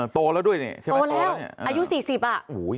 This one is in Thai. โตแล้วด้วยนี่โตแล้วอายุ๔๐อะ